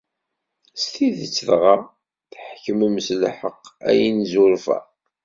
S tidet dɣa, tḥekkmem s lḥeqq, ay inezzurfa?